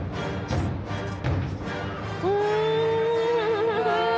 うん！